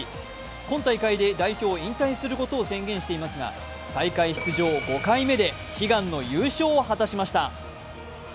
今大会で代表を引退することを宣言していますが大会出場５回目で悲願の優勝を果たしました。